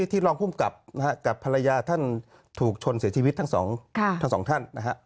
ที่หลองฟุ่มกลับกับภรรยาท่านถูกชนเสียชีวิตทั้งสองท่าน